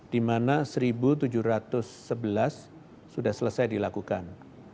di mana satu tujuh ratus sebelas sudah selesai dilakukan